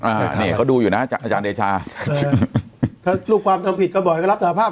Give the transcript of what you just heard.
อ่าเนี้ยเขาดูอยู่นะอาจารย์เดชาถ้าลูกความทำผิดก็บ่อยก็รับสถาภาพ